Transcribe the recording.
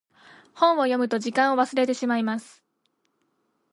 本を読むと時間を忘れてしまいます。